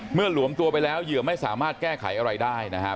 หลวมตัวไปแล้วเหยื่อไม่สามารถแก้ไขอะไรได้นะครับ